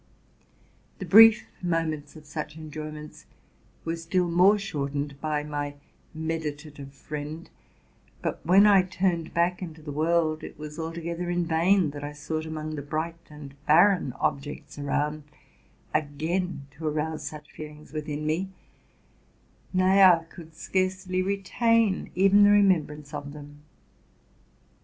The brief moments of such enjoyments were still more shortened by my meditative friend: but, when I tured back into the world, it was altogether in vain that 1 sought, among the bright and barren objects around, again to arouse such feelings within me; nay, I could scarcely retain even the remembrance of them.